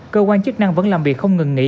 cơ quan chức năng vẫn làm việc không ngừng nghỉ